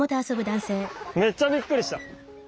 めっちゃびっくりした。